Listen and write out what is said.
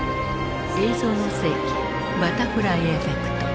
「映像の世紀バタフライエフェクト」。